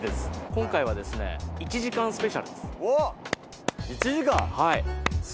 今回はですね、１時間スペシャルです。